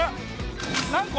何個？